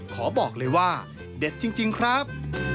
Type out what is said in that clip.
ขอบอกเลยว่าเด็ดจริงครับ